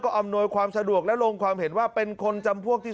อำนวยความสะดวกและลงความเห็นว่าเป็นคนจำพวกที่